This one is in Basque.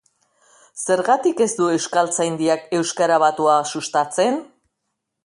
Zergatik ez du Euskaltzaindiak euskara batua sustatzen?